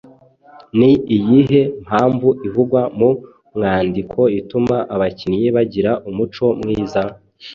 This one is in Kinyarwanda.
Ni iyihe mpamvu ivugwa mu mwandiko ituma abakinnyi bagira umuco mwiza?